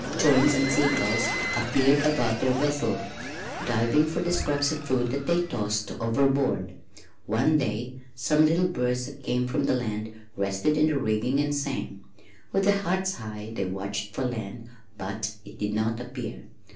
Terns and sea gulls appeared about their vessel, diving for the scraps of food that they tossed overboard. One day some little birds that came from the land rested in their rigging and sang. With their hearts high they watched for land, but it did not appear.